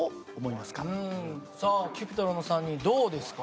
さあＣｕｐｉｔｒｏｎの３人どうですか？